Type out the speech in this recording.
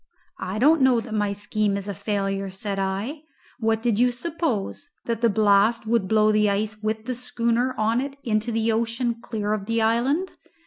"I don't know that my scheme is a failure," said I. "What did you suppose? that the blast would blow the ice with the schooner on it into the ocean clear of the island?